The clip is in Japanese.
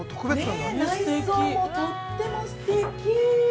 ◆内装も、とってもすてき。